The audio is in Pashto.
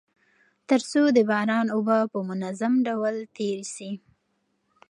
تر څو د باران اوبه په منظم ډول تيري سي.